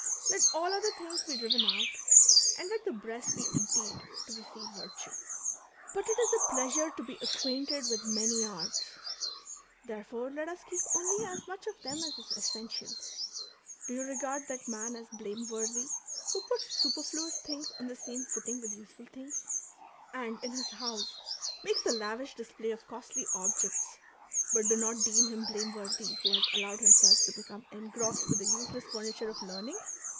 Let all other things be driven out, and let the breast be emptied to receive virtue. " But it is a pleasure to be acquainted with many arts." Therefore let us keep only as much of them as is essential. Do you regard that man as blame worthy who puts supei'fluous things on the same footing with useful things, and in his house makes a lavish display of costly objects, but do not deem him blameworthy who has allowed himself to become engrossed with the useless furniture of learning